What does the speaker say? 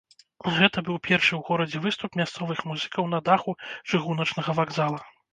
Гэта быў першы ў горадзе выступ мясцовых музыкаў на даху чыгуначнага вакзала.